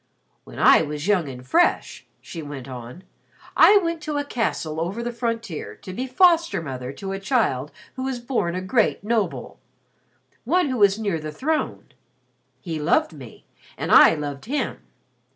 "When I was young and fresh," she went on. "I went to a castle over the frontier to be foster mother to a child who was born a great noble one who was near the throne. He loved me and I loved him.